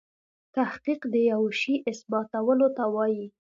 تحقیق دیوه شي اثباتولو ته وايي.